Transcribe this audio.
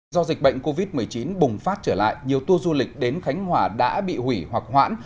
do dịch bệnh covid một mươi chín bùng phát trở lại nhiều tour du lịch đến khánh hòa đã bị hủy hoặc hoãn